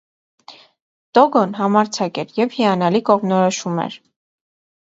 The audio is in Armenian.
Տոգոն համարձակ էր և հիանալի կողմնորոշվում էր։